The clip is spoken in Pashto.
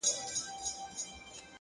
تمرکز ذهن له وېش څخه ژغوري,